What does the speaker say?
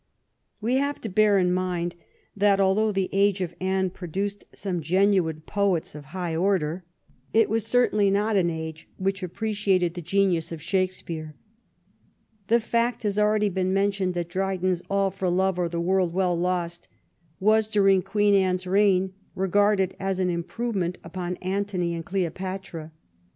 We have to bear in mind that although the age of 198 "THE TRIVIAL ROUND THE COMMON TASK»* Anne produced some genuine poets of a high order, it was certainly not an age which appreciated the genius of Shakespeare. The fact has already been mentioned that Dryden's " All for Love, or the World well Lost *' was during Queen Anne's reign regarded as an improve ment upon " Antony and Cleopatra."